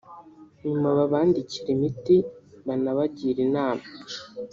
nyuma babandikire imiti banabagire inama